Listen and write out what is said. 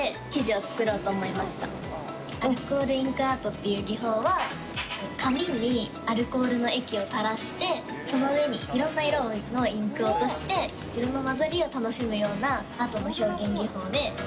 アルコールインクアートっていう技法は紙にアルコールの液を垂らしてその上にいろんな色のインクを落として色の混ざりを楽しむようなアートの表現技法で。